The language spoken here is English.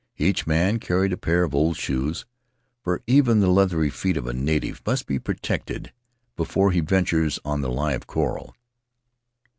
Each man carried a pair of old shoes, for even the leathery feet of a native must be protected before he ventures on the live coral.